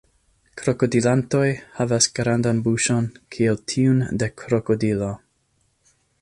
Krokodilantoj havas grandan buŝon kiel tiun de krokodilo.